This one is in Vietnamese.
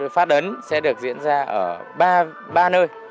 phát ấn sẽ được diễn ra ở ba nơi